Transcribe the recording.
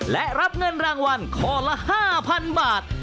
และรับเงินรางวัลข้อละ๕๐๐๐บาท